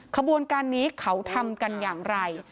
ขบวนการนี้เขาทำกันอย่างไร